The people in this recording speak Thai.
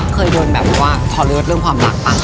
เคยโดนแบบว่าทอเลิศเรื่องความรักป่ะ